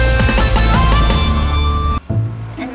ตอนที่สุดของเธอ